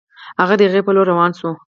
هغه د هغې په لور روان شو